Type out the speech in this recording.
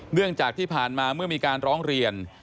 เนื่องจากที่ผ่านมาเมื่อมีการร้องเรียน